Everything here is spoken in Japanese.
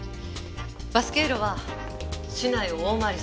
バス経路は市内を大回りする。